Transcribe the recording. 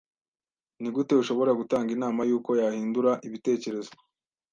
Nigute ushobora gutanga inama yuko yahindura ibitekerezo?